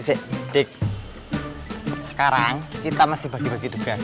sebaiknya kalian tinggalkan tempat itu